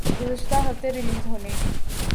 گزشتہ ہفتے ریلیز ہونے